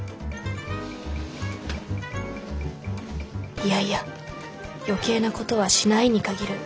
いやいや余計なことはしないに限る。